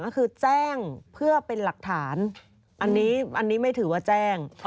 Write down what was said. ก็คือแจ้งเพื่อเป็นหลักฐานอันนี้ไม่ถือว่าแจ้ง